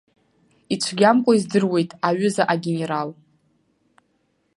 Ицәгьамкәа издыруеит, аҩыза агенерал!